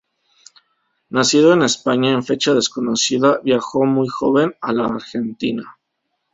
Nacido en España en fecha desconocida, viajó muy joven a la Argentina.